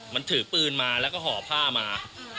มันถือปืนมาแล้วก็ห่อผ้ามา